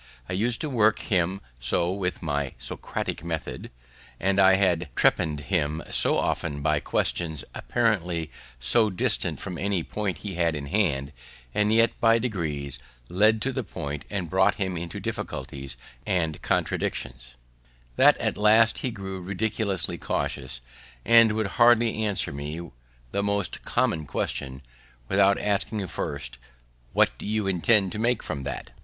I used to work him so with my Socratic method, and had trepann'd him so often by questions apparently so distant from any point we had in hand, and yet by degrees led to the point, and brought him into difficulties and contradictions, that at last he grew ridiculously cautious, and would hardly answer me the most common question, without asking first, "What do you intend to infer from that?"